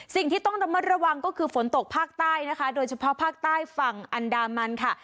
สิ่งที่ต้องระมัดระวังก็คือฝนตกภาคใต้นะคะโดยเฉพาะภาคใต้ฝั่งอันดามันค่ะ